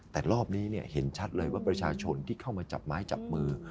แต่รอบนี้เห็นชัดเลยว่าประชาชนที่เข้ามาจับไม้จับมือ